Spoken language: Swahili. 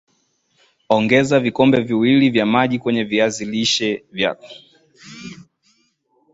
ongeza vikombe mbili vya maji kwenye vizi lishe vyako